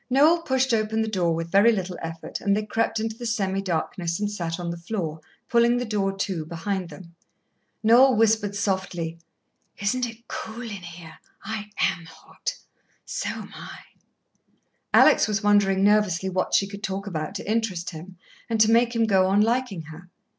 Noel pushed open the door with very little effort, and they crept into the semi darkness and sat on the floor, pulling the door to behind them. Noel whispered softly: "Isn't it cool in here? I am hot." "So am I." Alex was wondering nervously what she could talk about to interest him, and to make him go on liking her.